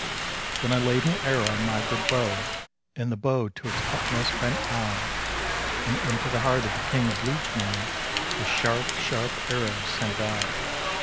Then I laid an arrow on my good bow, And the bow to its utmost bent I; And into the heart of the King's liege man The sharp, sharp arrow sent I.